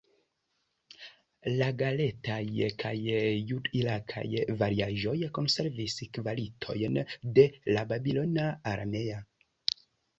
La "gelet-aj" kaj jud-irakaj variaĵoj konservis kvalitojn de la babilona aramea.